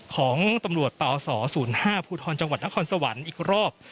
ของตำรวจปศ๐๕ภูทรจังหวัดนครสวรรค์อีกรอบ